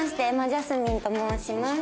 瑛茉ジャスミンと申します。